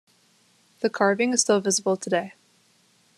The carving is still visible today.